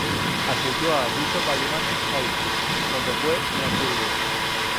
Asistió a Bishop Alemany High School donde fue una "cheerleader".